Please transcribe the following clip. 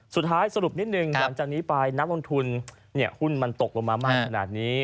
สรุปนิดนึงหลังจากนี้ไปนักลงทุนหุ้นมันตกลงมามากขนาดนี้